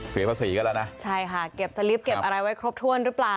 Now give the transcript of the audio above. เสียภาษีกันแล้วนะใช่ค่ะเก็บสลิปเก็บอะไรไว้ครบถ้วนหรือเปล่า